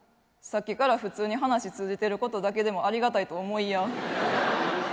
さっきから普通に話続いてることだけでもありがたいと思いや。